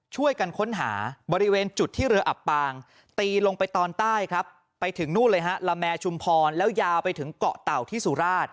ช่วยกันค้นหาบริเวณจุดที่เรืออับปางตีลงไปตอนใต้ครับไปถึงนู่นเลยฮะละแมชุมพรแล้วยาวไปถึงเกาะเต่าที่สุราช